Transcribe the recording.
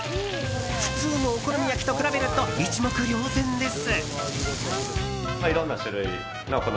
普通のお好み焼きと比べると一目瞭然です。